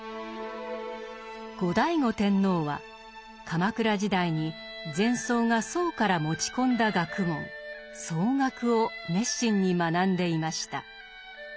後醍醐天皇は鎌倉時代に禅僧が宋から持ち込んだ学問宋学を熱心に学んでいました。